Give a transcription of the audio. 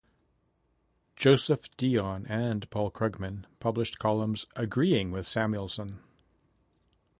Joseph Dionne and Paul Krugman published columns agreeing with Samuelson.